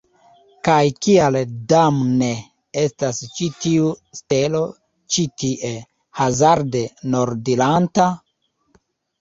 Kaj kial damne estas ĉi tiu stelo ĉi tie, hazarde rondiranta?